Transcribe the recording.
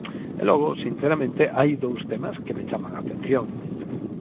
E logo, sinceramente, hai dous temas que me chaman a atención.